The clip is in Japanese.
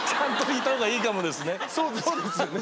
そうですよね。